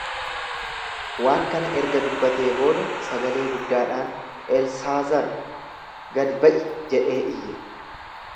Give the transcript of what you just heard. Waan kana erga dubbatee booda sagalee guddaadhan, Elsaazar, gad ba'i jedhee iyye.